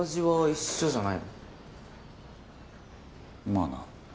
まあな。